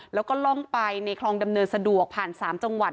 แล้วก็ล่องไปในคลองดำเนินสะดวกผ่าน๓จังหวัด